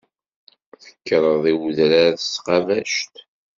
Tekkreḍ i wedrar s tqabact.